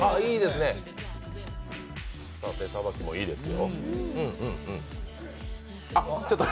手さばきもいいですよ。